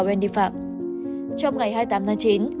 wendy phạm trong ngày hai mươi tám tháng chín